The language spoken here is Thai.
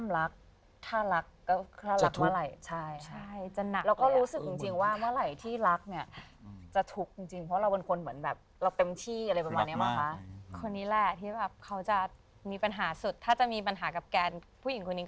แล้วทุกทีจะทักหมดอย่างงี้